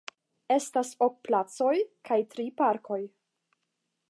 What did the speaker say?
Estas ok placoj kaj tri parkoj.